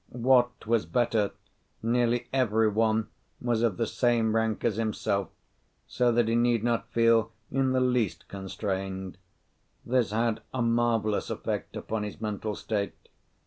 What was better, nearly every one was of the same rank as himself, so that he need not feel in the least constrained. This had a marvellous effect upon his mental state.